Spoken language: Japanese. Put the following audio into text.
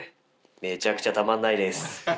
めちゃくちゃたまんないです。